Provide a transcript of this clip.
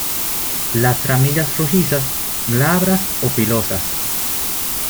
Las ramillas rojizas, glabras o pilosas.